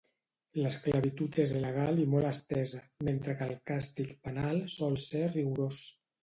L'esclavitud és legal i molt estesa, mentre que el càstig penal sol ser rigorós.